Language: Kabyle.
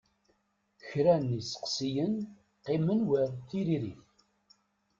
Kra n iseqsiyen qqimen war tiririt.